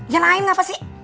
yang lain apa sih